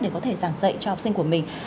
để có thể giảng dạy cho học sinh của mình